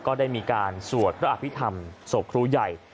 ก็ได้มีการสวดพระอภิษฐรรมศพครูใหญ่